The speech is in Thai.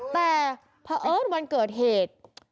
แต่พระเอิร์ทมันเกิดเหตุ